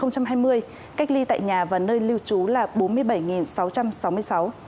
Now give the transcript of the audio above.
cách ly tại nhà và nơi lưu trú là bốn mươi bảy sáu trăm sáu mươi sáu